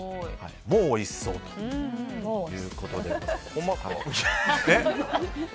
もうおいしそうということでございます。